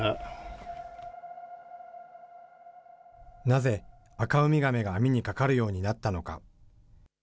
なぜ、アカウミガメが網にかかるようになったのか。